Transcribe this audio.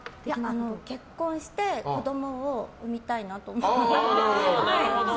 結婚して子供を産みたいなと思って。